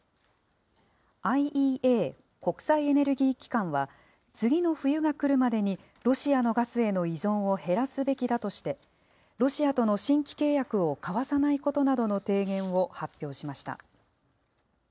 ＩＥＡ・国際エネルギー機関は次の冬が来るまでに、ロシアのガスへの依存を減らすべきだとでは、ロシアとの新規契約を交わさないことなどの提言を発表しました。